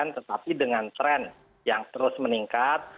tetapi dengan tren yang terus meningkat